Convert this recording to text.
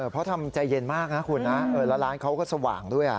เพราะทำใจเย็นมากนะคุณนะแล้วร้านเขาก็สว่างด้วย